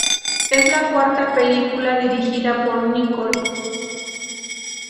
Es la cuarta película dirigida por Nichols.